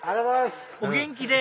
お元気で！